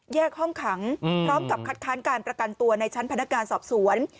แยกห้องขังพร้อมกับคัดค้านการประกันตัวในชั้นพนักงานสอบสวน